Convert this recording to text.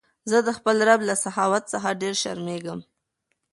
زه د خپل رب له سخاوت څخه ډېر شرمېږم.